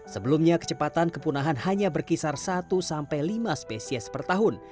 sebelumnya kecepatan kepunahan hanya berkisar satu sampai lima spesies per tahun